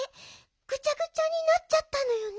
ぐちゃぐちゃになっちゃったのよね。